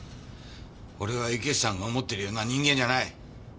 俺は池内さんが思ってるような人間じゃない。